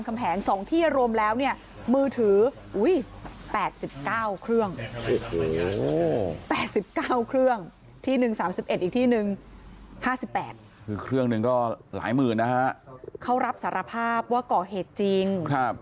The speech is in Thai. คือเครื่องหนึ่งก็หลายหมื่นนะฮะเขารับสารภาพว่าก่อเหตุจริง